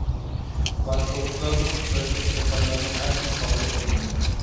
باشقۇرغۇچىلارمۇ سۈپەتلىك ئەسەرلەرنى ھەرگىز قالدۇرۇپ قويمايدۇ.